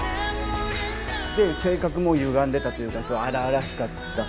性格もゆがんでたというか荒々しかった。